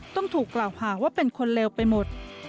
ต้องถูกกล่าวหาว่าเป็นคนเลวไปหมด